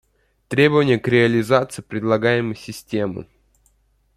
Требования к реализации предлагаемой системы